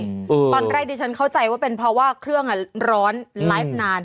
ตอนแรกดิฉันเข้าใจว่าเป็นเพราะว่าเครื่องอ่ะร้อนไลฟ์นาน